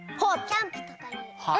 キャンプとかに。